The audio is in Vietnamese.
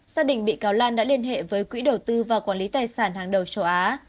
xác định bị cáo lan đã liên hệ với quỹ đầu tư và quản lý tài sản hàng đầu châu á